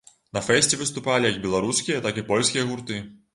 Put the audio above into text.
На фэсце выступалі як беларускія, так і польскія гурты.